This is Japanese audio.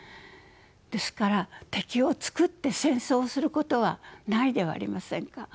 ですから敵を作って戦争をすることはないではありませんか。